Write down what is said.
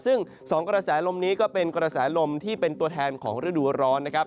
ซึ่งสองกระแสลมนี้ก็เป็นกระแสลมที่เป็นตัวแทนของฤดูร้อนนะครับ